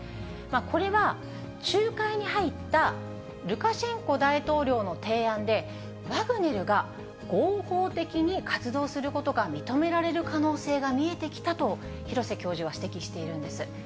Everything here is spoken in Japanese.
これは仲介に入ったルカシェンコ大統領の提案で、ワグネルが合法的に活動することが認められる可能性が見えてきたと廣瀬教授は指摘しているんです。